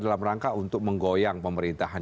dalam rangka untuk menggoyang pemerintahan